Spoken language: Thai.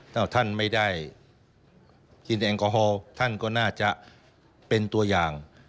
ถ้าท่านไม่ได้กินแอลกอฮอล์ท่านก็น่าจะเป็นตัวอย่าง